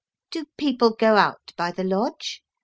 " Do people go out by the lodge?"